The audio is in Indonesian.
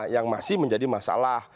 yang masih menjadi masalah